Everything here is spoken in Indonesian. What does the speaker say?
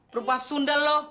perbohongan sundel lo